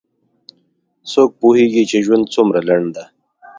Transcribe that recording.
څوک پوهیږي چې ژوند څومره لنډ ده